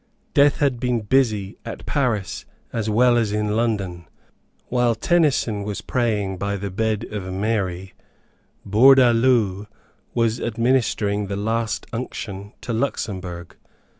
Death had been busy at Paris as well as in London. While Tenison was praying by the bed of Mary, Bourdaloue was administering the last unction to Luxemburg.